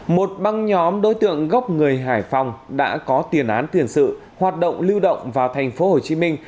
một băng nhóm đối tượng gốc người hải phòng đã có tiền án tiền sự hoạt động lưu động vào thành phố hồ chí minh